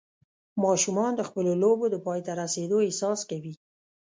ماشومان د خپلو لوبو د پای ته رسېدو احساس کوي.